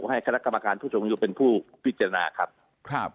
ให้คณะกรรมการพุทธศูนยุเป็นผู้พิจารณา